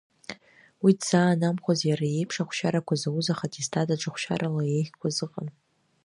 Уи дзаанамхәаз, иара иеиԥш, ахәшьарақәа зауз, аха аттестат аҿы хәшьарала иеиӷьқәаз ыҟан.